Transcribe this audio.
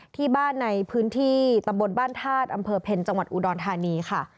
ที่บ้านในพื้นที่ตำบลบ้านธาตุอำเภอเพ็ญจังหวัดอุดรธานีค่ะ